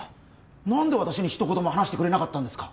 何で私に一言も話してくれなかったんですか？